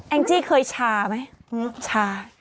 แอ้งจิเคยช้าไหม